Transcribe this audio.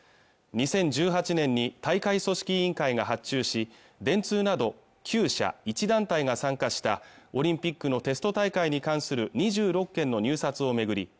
２０１８年に大会組織委員会が発注し電通など９社１団体が参加したオリンピックのテスト大会に関する２６件の入札を巡り